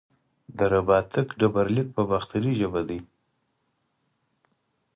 د رباتک ډبرلیک په باختري ژبه دی